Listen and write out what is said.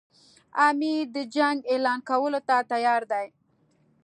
امیر د جنګ اعلان کولو ته تیار دی.